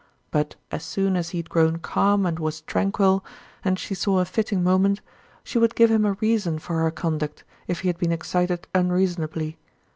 But as soon as he had grown calm and was tranquil, and she saw a fitting moment, she would give him a reason for her conduct, if he had been excited unreasonably.